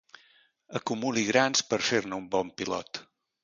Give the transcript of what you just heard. Acumuli grans per fer-ne un bon pilot.